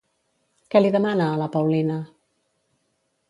Què li demana a la Paulina?